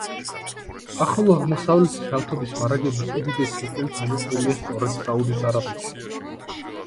ახლო აღმოსავლეთის ნავთობის მარაგების უდიდესი ნაწილი თავმოყრილია სწორედ საუდის არაბეთში.